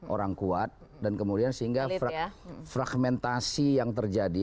orang kuat dan kemudian sehingga fragmentasi yang terjadi